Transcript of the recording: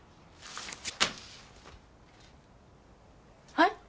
はい？